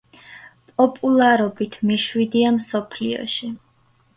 პოპულარობით მეშვიდეა მსოფლიოში.